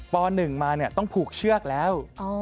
ป๑มาต้องผูกเชือกแล้ว